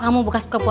setuju belum silah